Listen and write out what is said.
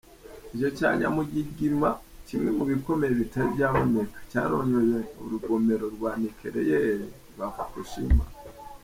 Ico ca nyamugigima, kimwe mu bikomeye bitari bwaboneke, carononye urugomero rwa nicleyere rwa Fukushima.